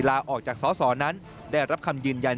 ลาออกจากสอสอนั้นได้รับคำยืนยัน